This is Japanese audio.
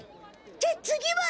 じゃあ次は。